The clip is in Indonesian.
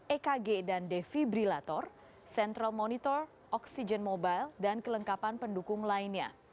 ekg dan defibrilator central monitor oksigen mobile dan kelengkapan pendukung lainnya